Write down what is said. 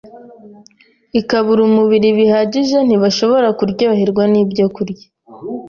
ikabura umubiri bikabije ntibashobora kuryoherwa n’ibyokurya